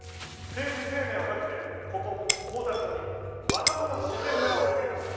政治生命を懸けてここ幸田町に若者自然村をつくりました。